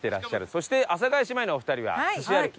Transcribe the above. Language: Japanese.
そして阿佐ヶ谷姉妹のお二人はすし歩き。